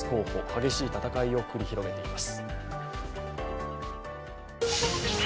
激しい戦いを繰り広げています。